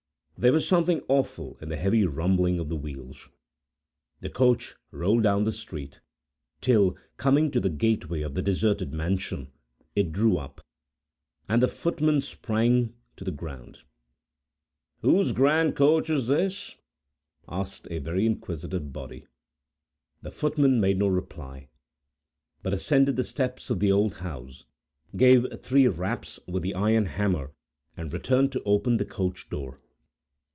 There was something awful, in the heavy rumbling of the wheels. The coach rolled down the street, till, coming to the gateway of the deserted mansion, it drew up, and the footman sprang to the ground. "Whose grand coach is this?" asked a very inquisitive body. The footman made no reply, but ascended the steps of the old house, gave three raps with the iron hammer, and returned to open the coach door.